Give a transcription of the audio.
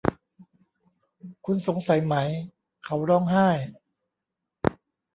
คุณสงสัยไหม ? เขาร้องไห้